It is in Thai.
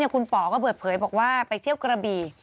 คุณป๋อก็เปิดเผยบอกว่าไปเที่ยวกระบี่